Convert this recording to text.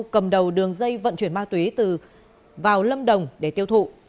cầm đầu đường dây vận chuyển ma túy từ vào lâm đồng để tiêu thụ